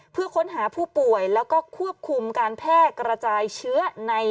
เพื่อค้นหาผู้ป่วยแล้วก็ควบคุมการแพร่กระจายเชื้อใน